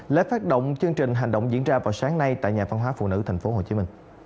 lễ phát động chương trình hành động diễn ra vào sáng nay tại nhà văn hóa phụ nữ tp hcm